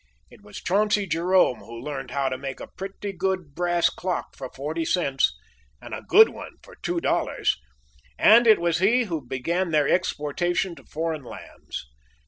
It was Chauncey Jerome who learned how to make a pretty good brass clock for forty cents, and a good one for two dollars; and it was he who began their exportation to foreign lands.